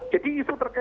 jadi kita harus berpikir